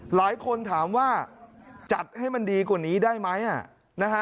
หลายคนถามว่าจัดให้มันดีกว่านี้ได้ไหมนะฮะ